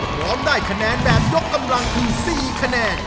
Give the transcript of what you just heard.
พร้อมได้คะแนนแบบยกกำลังคือ๔คะแนน